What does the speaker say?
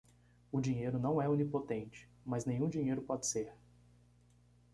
O dinheiro não é onipotente, mas nenhum dinheiro pode ser